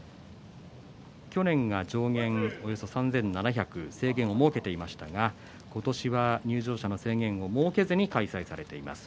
去年はおよそ上限３７００制限を設けていましたが今年は入場者の制限を設けずに開催されています。